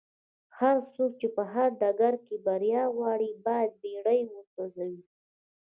هرڅوک چې په هر ډګر کې بريا غواړي بايد بېړۍ وسوځوي.